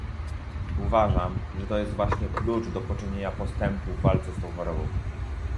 Uważam, że to jest właśnie klucz do poczynienia postępów w walce z tą chorobą